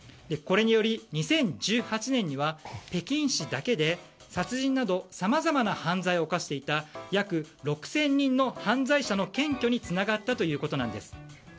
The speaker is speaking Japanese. これにより２０１８年には北京市だけで殺人などさまざまな犯罪を犯していた約６０００人の犯罪者の検挙につながったということです。